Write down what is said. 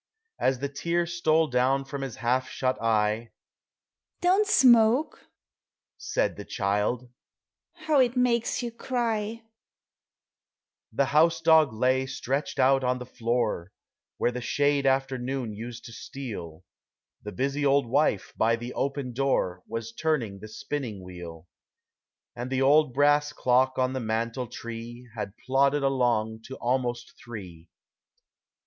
As the tear stole down from his half shut eye, "Don't smoke!" said the child; "how it makes you cry !" The house dog lay stretched out on the floor, Where the shade after noon used to steal; The busy old wife, by the oj»en door, Was turning the spinning wheel; And the old brass dork on the mantel tree Had plodded along to almost three.